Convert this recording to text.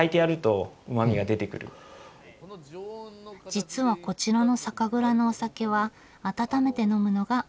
実はこちらの酒蔵のお酒は温めて呑むのがオススメ。